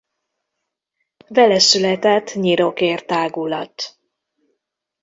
Veleszületett nyirokér-tágulat.